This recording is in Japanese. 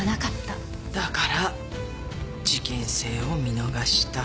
だから事件性を見逃した。